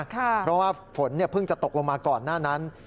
เพราะว่าฝนเพิ่งจะตกลงมาก่อนหน้านั้น